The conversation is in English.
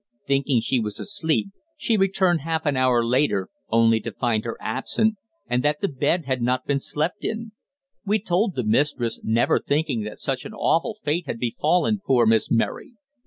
Thinking she was asleep she returned half an hour later, only to find her absent, and that the bed had not been slept in. We told the mistress, never thinking that such an awful fate had befallen poor Miss Mary.